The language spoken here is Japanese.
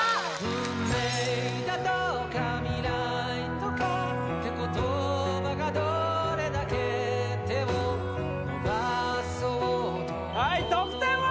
運命だとか未来とかって言葉がどれだけ手を伸ばそうとはい得点は？